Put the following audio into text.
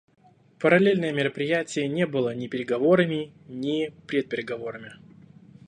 Параллельное мероприятие не было ни переговорами, ни предпереговорами.